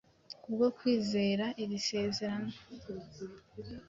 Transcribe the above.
Kubwo kwizera iri sezerano